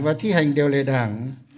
và thi hành điều lệ đảng